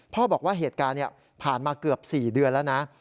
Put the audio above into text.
บอกว่าเหตุการณ์ผ่านมาเกือบ๔เดือนแล้วนะ